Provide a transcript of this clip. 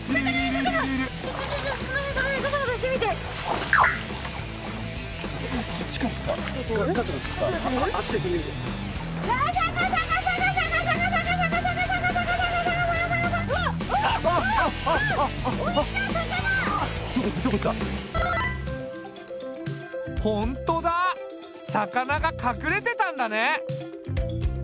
魚が隠れてたんだね。